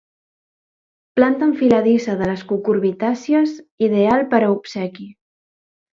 Planta enfiladissa de les cucurbitàcies ideal per a obsequi.